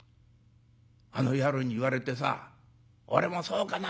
あの野郎に言われてさ俺も『そうかな』。